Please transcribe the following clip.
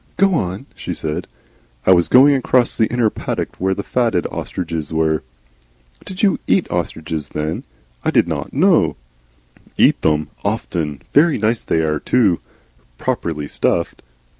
"Go on," she said. "I was going across the inner paddock where the fatted ostriches were." "Did you EAT ostriches, then? I did not know " "Eat them! often. Very nice they ARE too, properly stuffed.